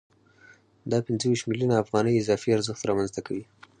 دا پنځه ویشت میلیونه افغانۍ اضافي ارزښت رامنځته کوي